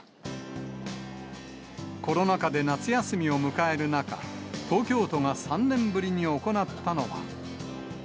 コロナ禍で夏休みを迎える中、東京都が３年ぶりに行ったのは。